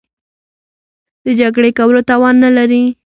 د جګړې کولو توان نه لري.